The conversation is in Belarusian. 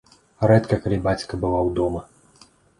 Рэдка калі бацька бываў дома.